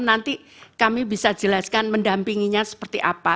nanti kami bisa jelaskan mendampinginya seperti apa